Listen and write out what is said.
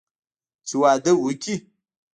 چې واده وکړي.